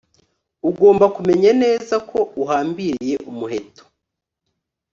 Ugomba kumenya neza ko uhambiriye umuheto